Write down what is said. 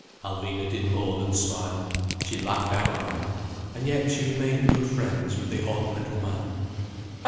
Alvina did more than smile. She laughed outright. And yet she remained good friends with the odd little man.